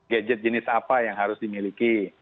gadget jenis apa yang harus dimiliki